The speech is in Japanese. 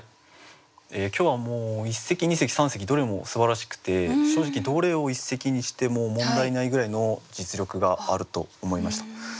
今日はもう一席二席三席どれもすばらしくて正直どれを一席にしても問題ないぐらいの実力があると思いました。